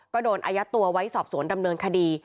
ก็โดนอายัดตัวไว้สอบสวนดำเนินคดี